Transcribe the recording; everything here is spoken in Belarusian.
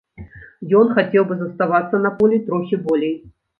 Ён хацеў бы заставацца на полі трохі болей.